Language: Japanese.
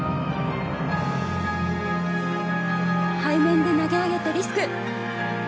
背面で投げ上げてリスク。